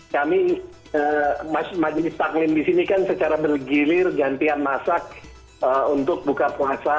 kami majelis taklim di sini kan secara bergilir gantian masak untuk buka puasa